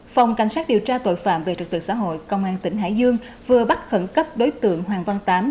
phòng cảnh sát điều tra tội phạm về trật tự xã hội công an tỉnh hải dương vừa bắt khẩn cấp đối tượng hoàng văn tám